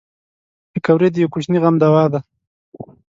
پکورې د یوه کوچني غم دوا ده